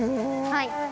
はい。